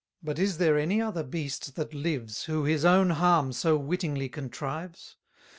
But is there any other beast that lives, Who his own harm so wittingly contrives?